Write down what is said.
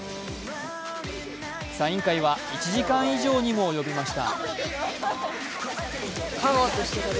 サイン会は１時間以上にも及びました。